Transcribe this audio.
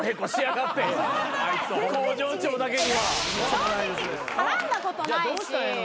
正直絡んだことないし。